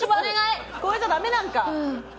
これじゃダメなのか？